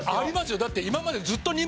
よだって。